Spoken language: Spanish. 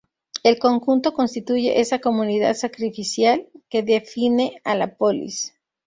El conjunto constituye esa comunidad sacrificial que define a la polis.